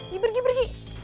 ya pergi pergi